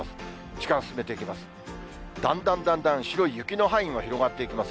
時間進めていきます。